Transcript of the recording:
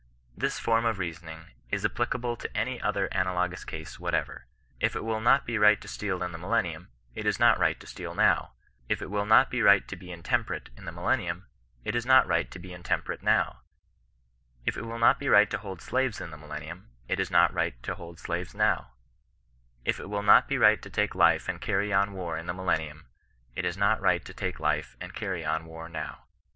This form of reasoning is applicable to any other analogous case whatever. If it will not be right to steal in the millennium, it is not right to steal now ; if it will not be right to be intemperate in the millen nium, it is not right to be intemperate now ; if it will not be right to hold slaves in the millennium, it is not right to hold slaves now ; if it will not be right to take life and carry on war in the millennium, it is not right to take life and cany on war now.